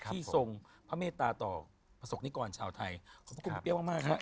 ที่ทรงพระเมตตาต่อประสงค์นิกรชาวไทย